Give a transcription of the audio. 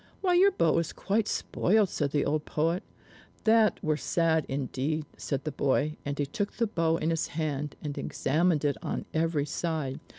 "Why, your bow is quite spoiled," said the old poet. "That were sad indeed," said the boy, and he took the bow in his hand and examined it on every side.